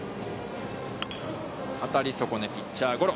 当たり損ね、ピッチャーゴロ。